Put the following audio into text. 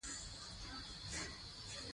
سمندر نه شتون د افغان ځوانانو لپاره دلچسپي لري.